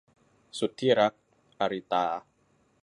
สุดที่รัก - อาริตา